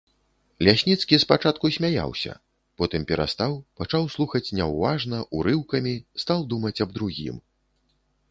Лясніцкі спачатку смяяўся, потым перастаў, пачаў слухаць няўважна, урыўкамі, стаў думаць аб другім.